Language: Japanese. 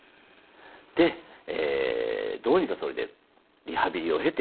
でどうにかそれでリハビリを経て復帰しました。